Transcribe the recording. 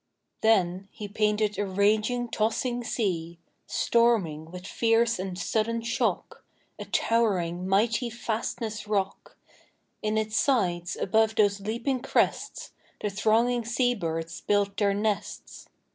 Then he painted a raging, tossing sea, Storming, with fierce and sudden shock, A towering, mighty fastness rock; In its sides, above those leaping crests, The thronging sea birds built their nests.